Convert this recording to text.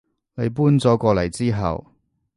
你搬咗過嚟之後